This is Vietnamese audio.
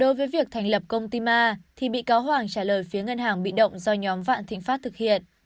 đối với việc thành lập công ty ma thì bị cáo hoàng trả lời phía ngân hàng bị động do nhóm vạn thịnh pháp thực hiện